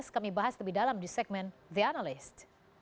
kami bahas lebih dalam di segmen the analyst